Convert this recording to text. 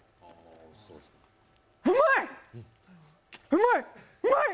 うまいっ！